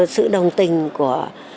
sự đồng tình của